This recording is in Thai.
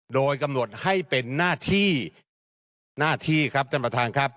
โดยกำหนดให้เป็นหน้าที่การปฏิบัติหน้าที่ครับท่านประธานครับ